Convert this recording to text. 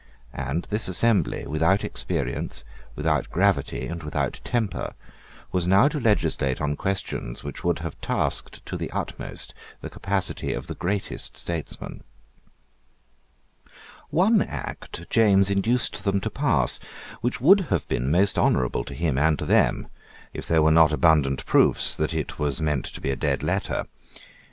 And this assembly, without experience, without gravity, and without temper, was now to legislate on questions which would have tasked to the utmost the capacity of the greatest statesmen, One Act James induced them to pass which would have been most honourable to him and to them, if there were not abundant proofs that it was meant to be a dead letter.